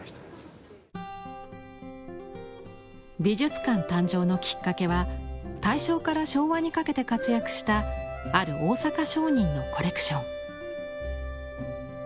美術館誕生のきっかけは大正から昭和にかけて活躍したある大阪商人のコレクション。